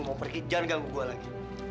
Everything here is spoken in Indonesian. mau pergi jangan ganggu gue lagi